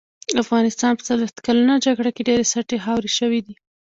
د افغانستان په څلوښت کلنه جګړه کې ډېرې سټې خاورې شوې دي.